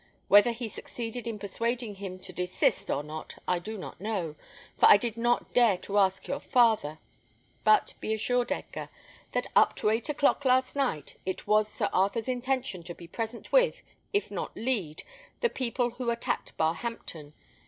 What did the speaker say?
Whether he succeeded in persuading him to desist or not, I do not know, for I did not dare to ask your father; but be assured, Edgar, that up to eight o'clock last night, it was Sir Arthur's intention to be present with, if not to lead, the people who attacked Barhampton.